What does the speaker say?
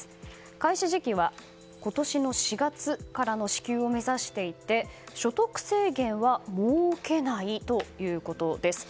開始時期は今年４月からの支給を目指していて所得制限は設けないということです。